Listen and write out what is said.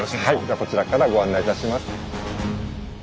ではこちらからご案内いたします。